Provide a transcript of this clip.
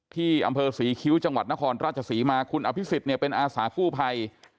ที่อำเภอศรีคิ้วจังหวัดนครราชศรีมาคุณอภิษฎเนี่ยเป็นอาสากู้ภัย